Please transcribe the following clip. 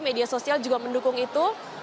media sosial juga mendukung itu